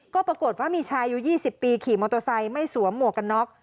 ก็ปรากฏว่ามีชายอายุ๒๐ปีขี่มอเตอร์ไซค์ไม่สวมหมวกกันน็อก